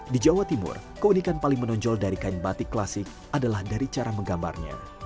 di jawa timur keunikan paling menonjol dari kain batik klasik adalah dari cara menggambarnya